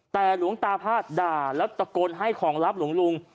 แต่หลวงตาพาดด่าแล้วตะโกนให้ของลับหลวงลุง